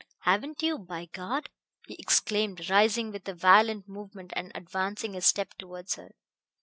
"Haven't you, by God!" he exclaimed, rising with a violent movement and advancing a step towards her.